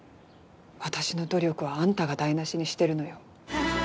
私の努力をあんたが台無しにしてるのよ。